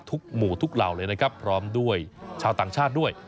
ทุกหมู่ทุกเหล่าเลยนะครับพร้อมด้วยชาวต่างชาติด้วย